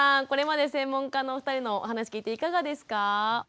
これまで専門家のお二人のお話聞いていかがですか？